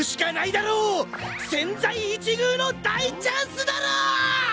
千載一遇の大チャンスだろー！